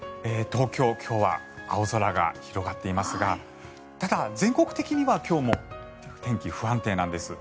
東京、今日は青空が広がっていますがただ、全国的には今日も天気不安定なんです。